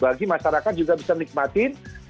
bagi masyarakat juga bisa menikmati